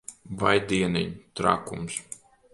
Vai dieniņ! Trakums.